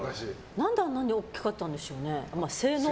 何であんなに大きかったんでしょうね。